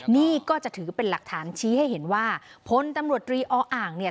นี่ก็จะถือเป็นหลักฐานชี้ให้เห็นว่าพลตำรวจตรีออ่างเนี่ย